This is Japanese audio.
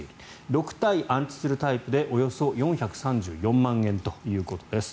６体安置するタイプでおよそ４３４万円ということです。